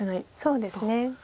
そうですね。